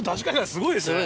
すごいですね。